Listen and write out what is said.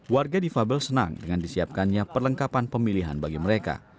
warga di fabel senang dengan disiapkannya perlengkapan pemilihan bagi mereka